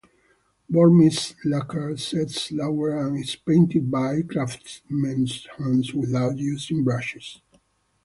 Burmese lacquer sets slower, and is painted by craftsmen's hands without using brushes.